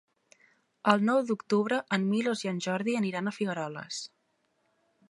El nou d'octubre en Milos i en Jordi iran a Figueroles.